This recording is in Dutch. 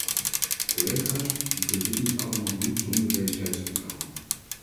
Collega's, je kunt dit niet allemaal doen zonder wederzijds vertrouwen.